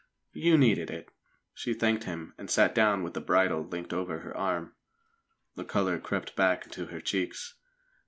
"You needed it." She thanked him and sat down with the bridle linked over her arm. The colour crept back into her cheeks.